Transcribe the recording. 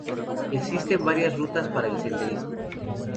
Existen varias rutas para el senderismo.